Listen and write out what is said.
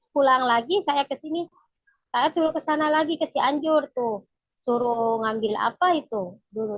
pulang lagi saya kesini saya turun ke sana lagi ke cianjur tuh suruh ngambil apa itu dulu